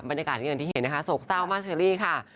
บรรยากาศที่เห็นนะคะโศกเศร้ามาสเจอรี่ค่ะ